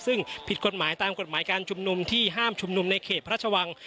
ซึ่งผิดกฎหมายตามกฎหมายการชุมนุมที่ห้ามชุมนุมในเขตพระชวัง